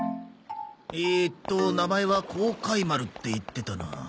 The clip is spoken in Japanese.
えーっと名前は「こうかい丸」って言ってたな。